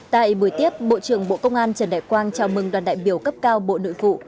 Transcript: tại buổi tiếp bộ trưởng bộ công an trần đại quang chào mừng đoàn đại biểu cấp cao bộ nội vụ